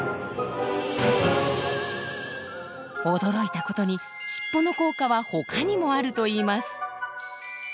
驚いたことに尻尾の効果は他にもあるといいます。